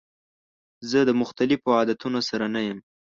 زه د مختلفو عادتونو سره نه یم.